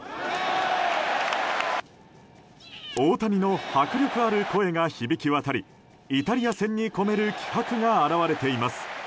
大谷の迫力ある声が響き渡りイタリア戦に込める気迫が表れています。